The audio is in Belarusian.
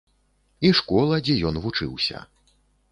І школа, дзе ён вучыўся.